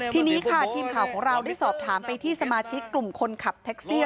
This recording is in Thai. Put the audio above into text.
ทีนี้ค่ะทีมข่าวของเราได้สอบถามไปที่สมาชิกกลุ่มคนขับแท็กซี่